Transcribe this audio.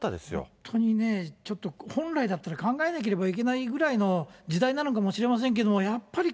本当にね、ちょっと本来だったら考えなければいけないぐらいの時代なのかもしれませんけども、やっぱり